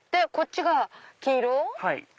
こっちが黄色？